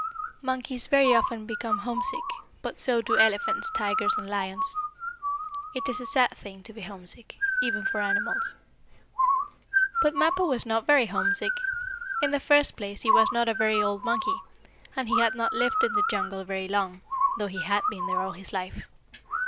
Monkeys very often become homesick, but so do elephants, tigers and lions. It is a sad thing to be homesick, even for animals. But Mappo was not very homesick. In the first place he was not a very old monkey, and he had not lived in the jungle very long, though he had been there all his life.